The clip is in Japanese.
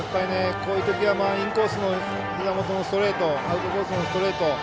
こういうときはインコースのひざ元のストレートアウトコースのストレート。